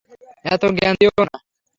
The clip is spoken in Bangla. এত জ্ঞান দিয়ো না।